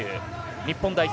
日本代表